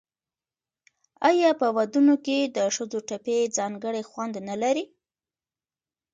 آیا په ودونو کې د ښځو ټپې ځانګړی خوند نلري؟